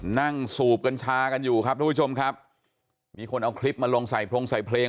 สูบกัญชากันอยู่ครับทุกผู้ชมครับมีคนเอาคลิปมาลงใส่พรงใส่เพลง